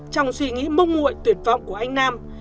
trong suy nghĩ mong nguội tuyệt vọng của anh nam